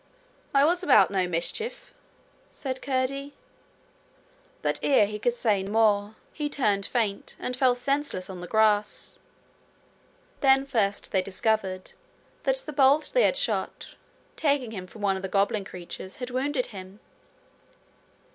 'I was about no mischief,' said Curdie. But ere he could say more he turned faint, and fell senseless on the grass. Then first they discovered that the bolt they had shot, taking him for one of the goblin creatures, had wounded him.